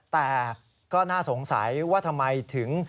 แต่ก็น่าสงสัยว่าทำไมถึง